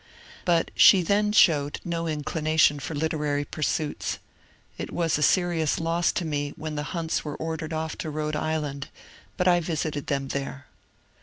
But she then showed no inclination for literary pursuits. It was a serious loss to me when the Hunts were ordered off to Rhode Island, but I visited them there.